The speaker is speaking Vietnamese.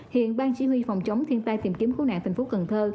hiện ban chỉ huy phòng chống thiên tai tìm kiếm cứu nạn thành phố cần thơ